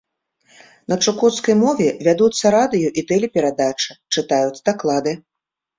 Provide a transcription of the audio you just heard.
На чукоцкай мове вядуцца радыё-і тэлеперадачы, чытаюцца даклады.